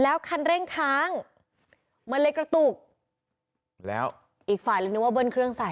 แล้วคันเร่งค้างมันเลยกระตุกแล้วอีกฝ่ายนึงนึกว่าเบิ้ลเครื่องใส่